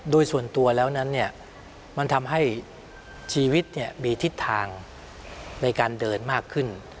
โดยส่วนตัวแล้วนั้นมันทำให้ชีวิตมีทิศทางในการเดินมากขึ้น